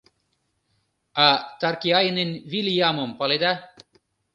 — А Таркиайнен Вилйамым паледа?